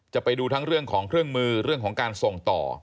จะไปดูทั้งเรื่องของเครื่องมือเรื่องของการส่งต่อ